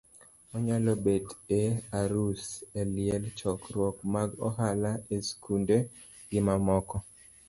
onyalo bet e arus, liel, chokruok mag ohala,e skunde gimamoko.